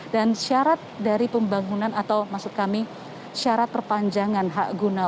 dan syarat dari pembangunan atau maksud kami syarat perpanjangan hak guna